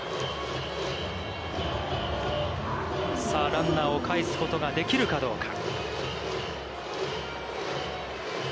ランナーを帰すことができるかどうか。